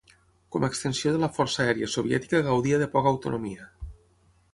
Com extensió de la força aèria soviètica gaudia de poca autonomia.